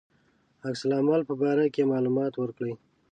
عکس العمل په باره کې معلومات ورکړي.